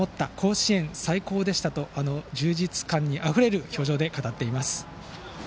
甲子園最高でしたと充実感あふれる表情で語っています。